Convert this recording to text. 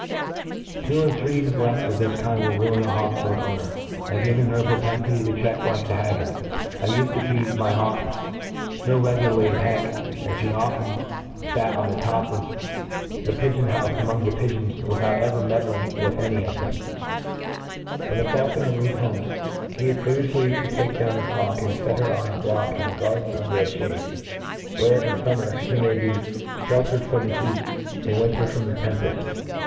Two or three MODEkN FAULCONRY. 1^5 three neglefts of this khid will ruin a hawk to her owner, by giving her a properifity to check like the haggard. I ufcd to feed my hawk fo regur ' larly at heck, that Ihe often fat on the top of the pigeon houfe among the pigeons, wthout ever meddling with any of them, » When thefaulconer leaves home, he is pre yioufly to take down his hawk and fet her on a block in the garden under a fhade, where, in fumr mer (he may be flickered from the heat, in win r ter frgm the tempefl